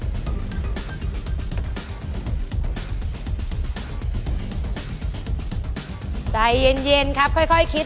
อุปกรณ์ทำสวนชนิดใดราคาถูกที่สุด